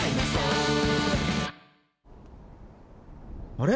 あれ？